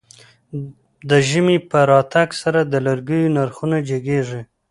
د ژمی په راتګ سره د لرګيو نرخونه جګېږي.